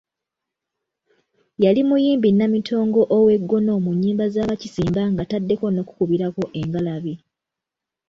Yali muyimbi namitongo ow'eggono mu nnyimba za Baakisimba ng'ataddeko n'okukubirako engalabi.